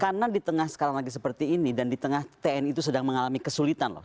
karena di tengah sekarang lagi seperti ini dan di tengah tni itu sedang mengalami kesulitan loh